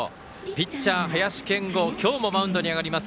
ピッチャー、林謙吾今日もマウンドに上がります。